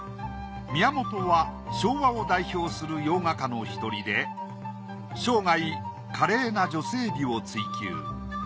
宮本は昭和を代表する洋画家の１人で生涯華麗な女性美を追求。